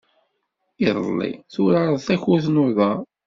Iḍelli, turared takurt n uḍar.